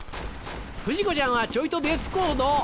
不二子ちゃんはちょいと別行動。